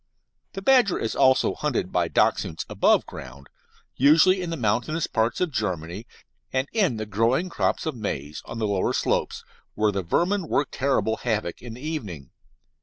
The badger is also hunted by Dachshunds above ground, usually in the mountainous parts of Germany, and in the growing crops of maize, on the lower slopes, where the vermin work terrible havoc in the evening.